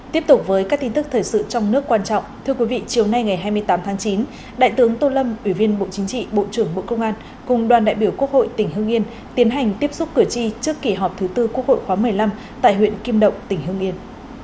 tiếp tục với các tin tức thời sự trong nước quan trọng thưa quý vị chiều nay ngày hai mươi tám tháng chín đại tướng tô lâm ủy viên bộ chính trị bộ trưởng bộ công an cùng đoàn đại biểu quốc hội tỉnh hương yên tiến hành tiếp xúc cử tri trước kỳ họp thứ tư quốc hội khóa một mươi năm tại huyện kim động tỉnh hương yên